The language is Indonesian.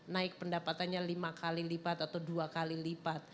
naik pendapatannya lima kali lipat atau dua kali lipat